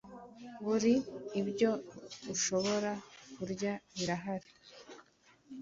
buri ibyo ashobora kurya birahari